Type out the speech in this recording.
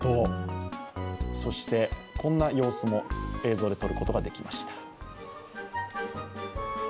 そして、こんな様子も映像で撮ることができました。